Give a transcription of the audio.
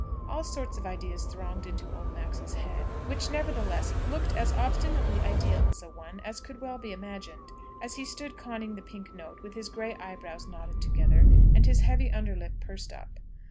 All sorts of ideas thronged into old Max's head, which, nevertheless, looked as obstinately idealess a one as could well be imagined, as he stood conning the pink note, with his grey eyebrows knotted together, and his heavy under lip pursed up.